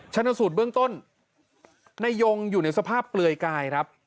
ชนสูตรเบื้องต้นนายยงอยู่ในสภาพเปลือยกายครับ